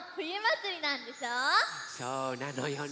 そうなのよね。